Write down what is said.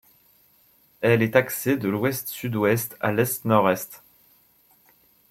Elle est axée de l'ouest-sud-ouest à l'est-nord-est.